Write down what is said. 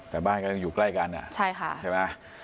แต่บ้านก็ยังอยู่ใกล้กันใช่ไหม